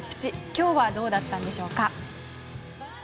今日はどうだったんでしょうか。